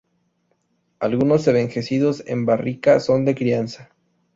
Algunos, envejecidos en barrica, son de crianza.